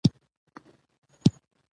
زردالو د افغانستان د اجتماعي جوړښت برخه ده.